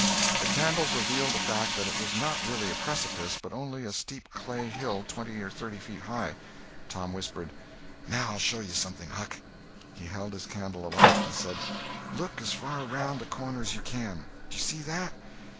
The candles revealed the fact that it was not really a precipice, but only a steep clay hill twenty or thirty feet high. Tom whispered: "Now I'll show you something, Huck." He held his candle aloft and said: "Look as far around the corner as you can. Do you see that?